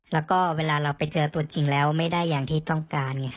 แล้วก็เวลาเราไปเจอตัวจริงแล้วไม่ได้อย่างที่ต้องการ